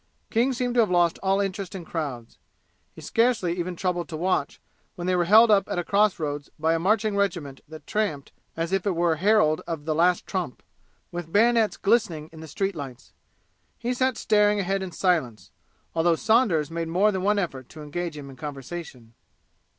King seemed to have lost all interest in crowds. He scarcely even troubled to watch when they were held up at a cross roads by a marching regiment that tramped as if it were herald of the Last Trump, with bayonets glistening in the street lights. He sat staring ahead in silence, although Saunders made more than one effort to engage him in conversation.